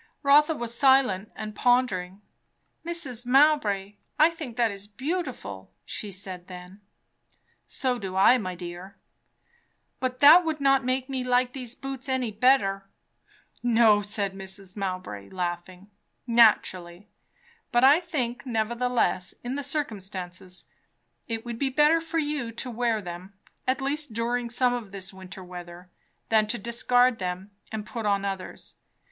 Rotha was silent and pondered. "Mrs. Mowbray, I think that is beautiful," she said then. "So do I, my dear." "But that would not make me like these boots any better." "No," said Mrs. Mowbray laughing. "Naturally. But I think nevertheless, in the circumstances, it would be better for you to wear them, at least during some of this winter weather, than to discard them and put on others.